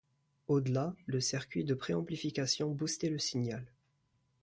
Au-delà, le circuit de pré amplification boostait le signal.